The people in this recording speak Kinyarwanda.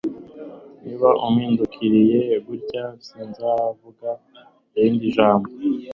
Niba umpindukiriye gutya, sinzavuga irindi jambo.